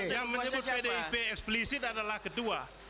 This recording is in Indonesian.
yang menyebut pdip eksplisit adalah kedua